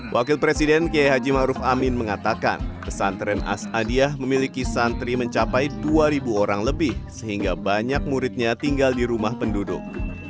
wakil presiden kiai haji ⁇ maruf ⁇ amin mengatakan pesantren asadiah memiliki santri mencapai dua orang lebih sehingga banyak muridnya tinggal di rumah penduduk